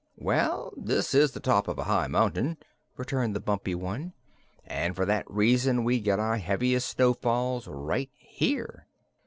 "Well, this is the top of a high mountain," returned the bumpy one, "and for that reason we get our heaviest snowfalls right here."